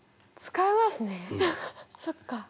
そっか。